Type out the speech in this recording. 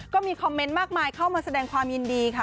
ก็มีคอมเมนต์มากมายเข้ามาแสดงความยินดีค่ะ